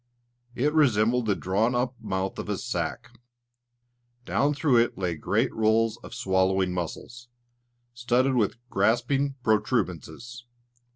It resembled the drawn up mouth of a sack. Down through it lay great rolls of swallowing muscles, studded with grasping protuberances.